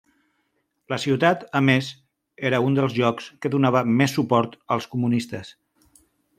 La ciutat, a més, era un dels llocs que donava més suport als comunistes.